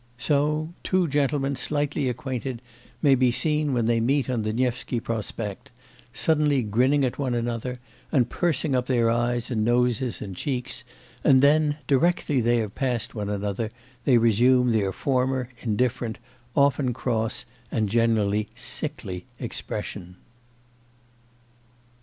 So two gentlemen slightly acquainted may be seen when they meet on the Nevsky Prospect suddenly grinning at one another and pursing up their eyes and noses and cheeks, and then, directly they have passed one another, they resume their former indifferent, often cross, and generally sickly, expression.